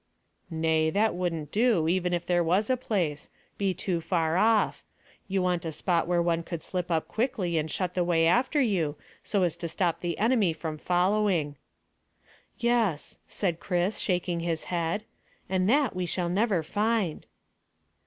"Nay! That wouldn't do, even if there was a place. Be too far off. You want a spot where one could slip up quickly and shut the way after you so as to stop the enemy from following." "Yes," said Chris, shaking his head; "and that we shall never find."